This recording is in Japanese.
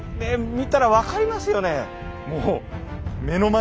見たら分かりますよね。